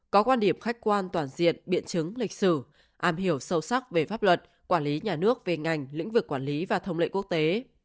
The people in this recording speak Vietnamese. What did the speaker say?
có quan điểm khách quan toàn diện biện chứng lịch sử am hiểu sâu sắc về pháp luật quản lý nhà nước về ngành lĩnh vực quản lý và thông lệ quốc tế